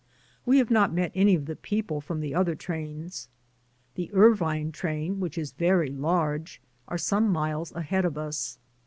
We have not met any of the people from the other trains. The Irvine train — which is very large — are some miles ahead of us.